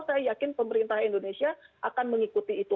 saya yakin pemerintah indonesia akan mengikuti itu